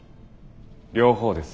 両方です。